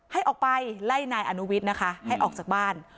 ให้ออกไปไล่นายอนุวิทย์นะคะให้ออกจากบ้าน